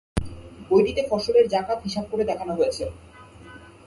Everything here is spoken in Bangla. বইটিতে ফসলের যাকাত হিসাব করে দেখানো হয়েছে।